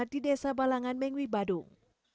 di desa balangan mengwi badung